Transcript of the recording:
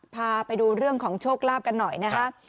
พาไปดูเรื่องของโชคลาภกันหน่อยนะคะ